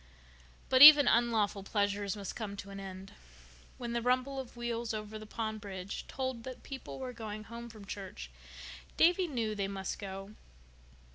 But even unlawful pleasures must come to an end. When the rumble of wheels over the pond bridge told that people were going home from church Davy knew they must go.